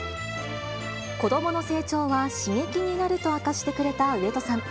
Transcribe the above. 子どもの成長は刺激になると明かしてくれた上戸さん。